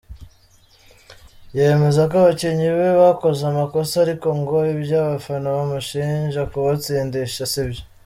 Yemeza ko abakinnyi be bakoze amakosa ariko ngo iby’abafana bamushinja kubatsindisha si byo.